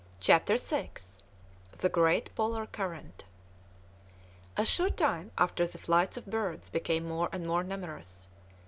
CHAPTER VI THE GREAT POLAR CURRENT A short time after the flights of birds became more and more numerous.